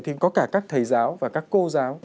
thì có cả các thầy giáo và các cô giáo